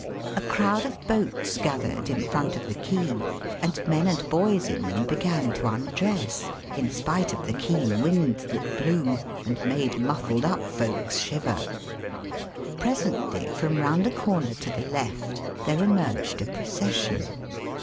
A crowd of boats gathered in front of the quay, and men and boys in them began to undress in spite of the keen wind that blew^ and made muffled up folks shiver. Presently, from round a corner to the left, there emerged a procession.